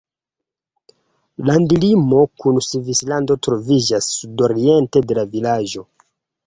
Landlimo kun Svislando troviĝas sudoriente de la vilaĝo.